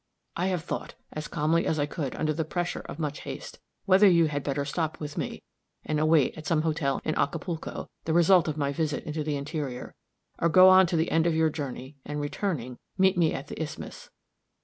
I have thought, as calmly as I could under the pressure of much haste, whether you had better stop with me, and await, at some hotel in Acapulco, the result of my visit into the interior, or go on to the end of your journey, and returning, meet me at the isthmus.